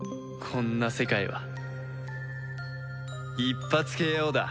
こんな世界は一発ＫＯだ。